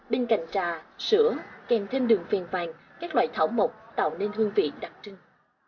bên cạnh trà sữa kèm thêm đường phiền vàng các loại thảo mộc tạo nên hương vị đặc trưng